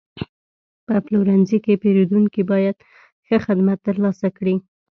په پلورنځي کې پیرودونکي باید ښه خدمت ترلاسه کړي.